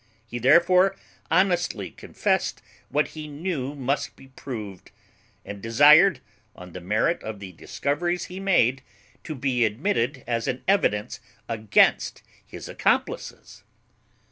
He therefore honestly confessed what he knew must be proved; and desired, on the merit of the discoveries he made, to be admitted as an evidence against his accomplices.